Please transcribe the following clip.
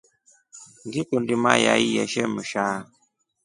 Ngikundi mayai yeshemsha.